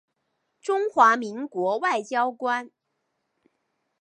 中华民国外交官。